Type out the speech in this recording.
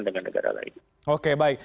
dengan negara lain oke baik